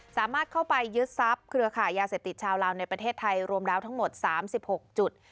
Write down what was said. สามารถเข้าไปยึดทรัพย์เครือขายยาเสพติดชาวลาวในประเทศไทยรวมแล้วทั้งหมด๓๖จุด